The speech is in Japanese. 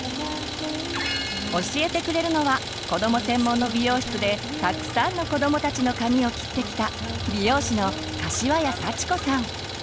教えてくれるのは子ども専門の美容室でたくさんの子どもたちの髪を切ってきた美容師の柏谷早智子さん。